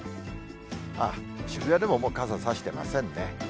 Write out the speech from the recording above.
ああ、渋谷でも、もう傘差してませんね。